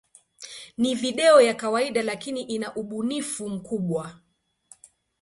Ni video ya kawaida, lakini ina ubunifu mkubwa.